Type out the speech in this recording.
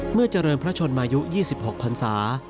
เจริญพระชนมายุ๒๖พันศา